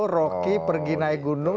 rocky perginai gunung